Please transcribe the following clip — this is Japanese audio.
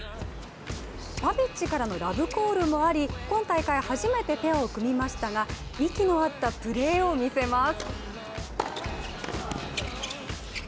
パビッチからのラブコールもあり今大会初めてペアを組みましたが息の合ったプレーを見せます。